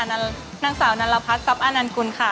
นางสาวนันรพัฒน์ทรัพย์อานันกุลค่ะ